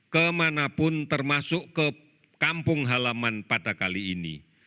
kemanapun termasuk ke kampung halaman pada kali ini